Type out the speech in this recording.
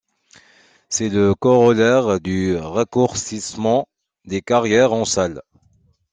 C'est le corollaire du raccourcissement des carrières en salles.